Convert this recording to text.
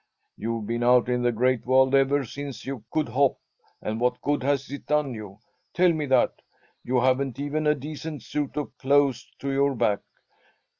You've been out in the Great World ever since you could hop, and what good has it done you? Tell me that! You haven't even a decent suit of clothes to your back."